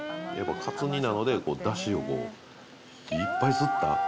やっぱかつ煮なのでダシをこういっぱい吸った。